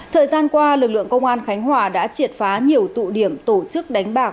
thời gian qua lực lượng công an khánh hòa đã triệt phá nhiều tụ điểm tổ chức đánh bạc